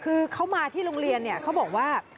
คือเขามาที่โรงเรียนเนี่ยเขาบอกว่า